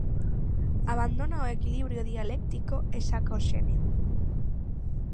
Abandona o "equilibrio dialéctico" e saca o xenio.